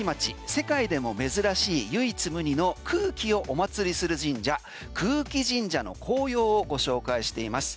世界でも珍しい唯一無二の空気をおまつりする神社空気神社の紅葉をご紹介しています。